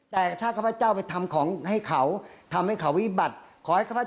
แต่ถ้าข้าพเจ้าไปทำของให้เขาทำให้เขาวิบัติขอให้ข้าพ